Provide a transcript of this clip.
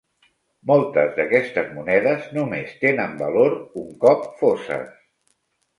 Moltes d'aquestes monedes només tenen valor un cop foses.